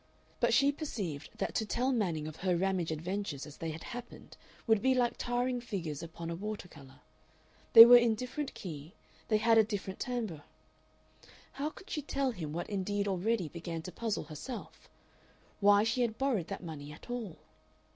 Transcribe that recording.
But she perceived that to tell Manning of her Ramage adventures as they had happened would be like tarring figures upon a water color. They were in different key, they had a different timbre. How could she tell him what indeed already began to puzzle herself, why she had borrowed that money at all?